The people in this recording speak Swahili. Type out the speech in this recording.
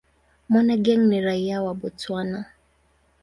Monageng ni raia wa Botswana.